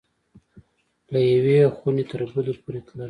له یوې خوني تر بلي پوری تلله